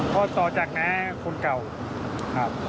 เพราะต่อจากคนเก่าครับ